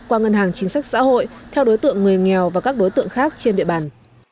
qua ngân hàng chính sách xã hội theo đối tượng người nghèo và các đối tượng khác trên địa bàn